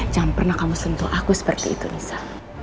jangan pernah kamu sentuh aku seperti itu nisa